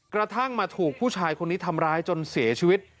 กระทั่งมาถูกผู้ชายคนนี้ทำร้ายจนเสียชีวิต